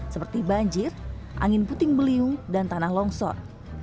seperti banjir angin puting beliung dan tanah longsor